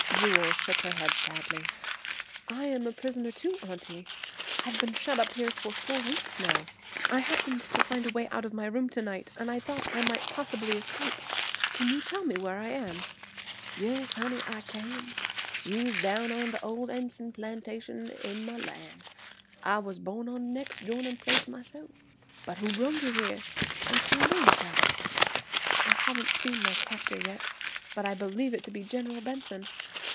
Jewel shook her head sadly. "I'm a prisoner, too, Auntie. I've been shut up here for four weeks now. I happened to find a way out of my room tonight, and I thought I might possibly escape. Can you tell me where I am?" "Yes, honey, I can. You's down on de ol' Enson plantation in Ma'lan. I was born on de nex' joinin' place myself. But who brung you here? What's your name, chile?" "I haven't seen my captor yet, but I believe it to be General Benson.